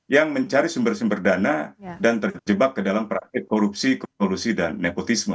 yang mencari sumber sumber dana dan terjebak ke dalam praktek korupsi kolusi dan nepotisme